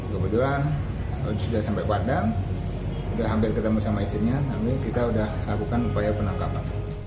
kebetulan sudah sampai padang sudah hampir ketemu sama istrinya tapi kita sudah lakukan upaya penangkapan